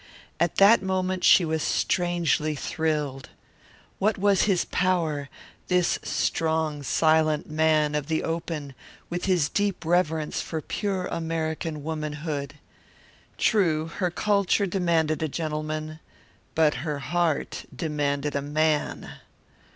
At that moment she was strangely thrilled. What was his power, this strong, silent man of the open with his deep reverence for pure American womanhood? True, her culture demanded a gentleman, but her heart demanded a man.